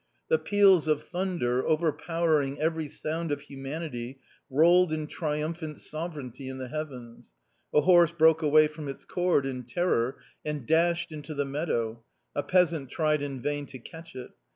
The peals of thunder overpowering every sound of humanity rolled in triumphant sovereignty in the heavens, A horse broke away from its cord in terror, and dashed into the meadow ; a peasant tried in vain to catch it.